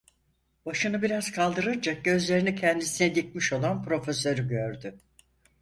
Başını biraz kaldırınca, gözlerini kendisine dikmiş olan Profesör’ü gördü.